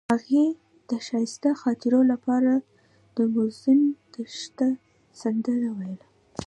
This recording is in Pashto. هغې د ښایسته خاطرو لپاره د موزون دښته سندره ویله.